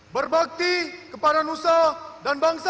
berbakti kepada nusa dan bangsa